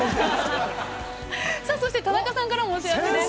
◆そして、田中さんからもお知らせです。